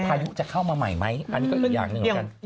พายุจะเข้ามาใหม่ไหมอันนี้ก็อีกอย่างหนึ่งเหมือนกัน